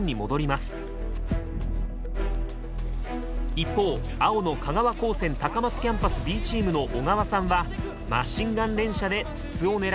一方青の香川高専高松キャンパスＢチームの小川さんはマシンガン連射で筒を狙います。